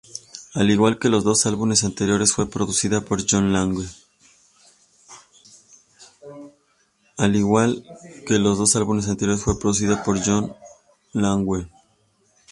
Al igual que los dos álbumes anteriores, fue producido por John Langue.